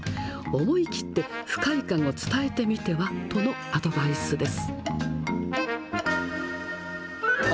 思い切って不快感を伝えてみてはとのアドバイスです。